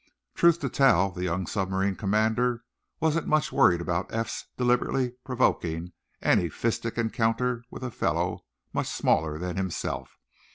Truth to tell, the young submarine commander wasn't much worried about Eph's deliberately provoking any fistic encounter with a fellow much smaller than himself.